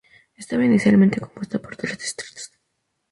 Estaba inicialmente compuesta por tres distritos.